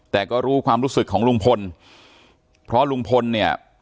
แต่ก็รู้ความรู้สึกของลุงพลเพราะลุงพลเนี่ย